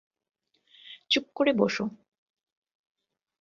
চুপ করে বসো।